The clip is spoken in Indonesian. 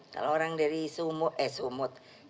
kalau orang dari sumut eh sumut